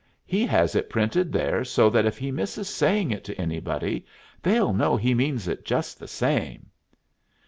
He has it printed there so that if he misses saying it to anybody, they'll know he means it just the same."